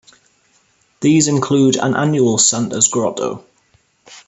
These include an annual Santa's Grotto.